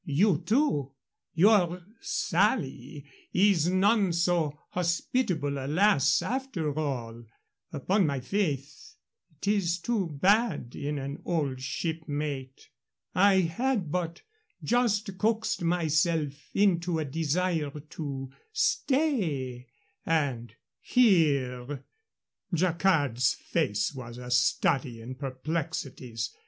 You, too? Your Sally is none so hospitable a lass, after all. Upon my faith, 'tis too bad in an old shipmate. I had but just coaxed myself into a desire to stay, and here " Jacquard's face was a study in perplexities.